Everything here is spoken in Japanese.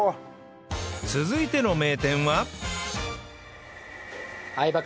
続いての名店は